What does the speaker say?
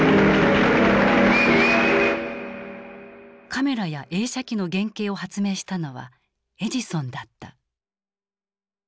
カメラや映写機の原型を発明したのはエジソンだった。